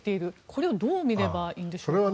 これをどう見ればいいんでしょうか？